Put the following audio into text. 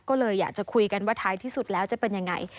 ก็เลยอยากจะคุยกันว่าท้ายที่สุดแล้วจะเป็นยังไง